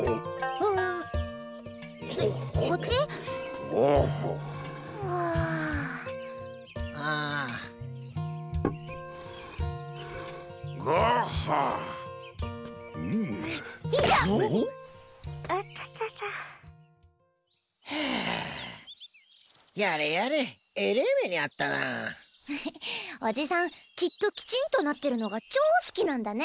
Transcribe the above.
ふふっおじさんきっときちんとなってるのが超好きなんだね。